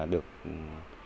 được địa ngục